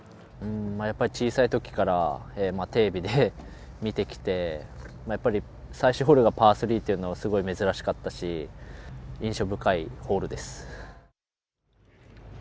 小さい時からテレビで見てきて、最終ホールがパー３というのはすごく珍しかったし、印象深いホールです。